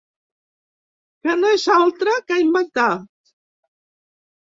Que no és altra que inventar.